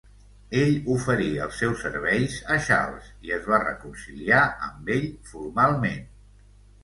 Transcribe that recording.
Ell oferí els seus serveis a Charles i es va reconciliar amb ell formalment.